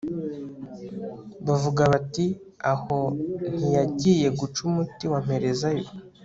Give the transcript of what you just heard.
bavuga, bati «aho ntiyajyiye guca umuti wamperezayo»